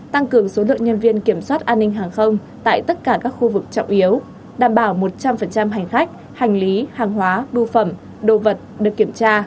tăng cường số lượng nhân viên kiểm soát an ninh hàng không tại tất cả các khu vực trọng yếu đảm bảo một trăm linh hành khách hành lý hàng hóa bưu phẩm đồ vật được kiểm tra